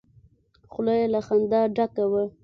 خوله يې له خندا ډکه وه.